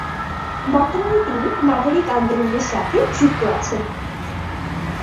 বর্তমানে তিনি নাগরিক আন্দোলনের সাথে যুক্ত আছেন।